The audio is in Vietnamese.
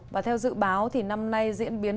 và theo dự báo thì năm nay diễn biến